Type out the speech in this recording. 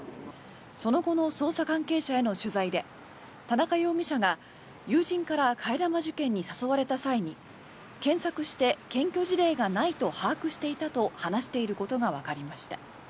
その後の捜査関係者への取材で田中容疑者が友人から替え玉受験に誘われた際に検索して検挙事例がないと把握していたと話していることがわかりました。